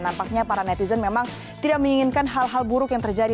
nampaknya para netizen memang tidak menginginkan hal hal buruk yang terjadi